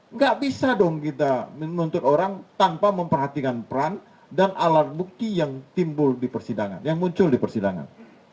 nggak bisa dong kita menuntut orang tanpa memperhatikan peran dan alat bukti yang timbul di persidangan yang muncul di persidangan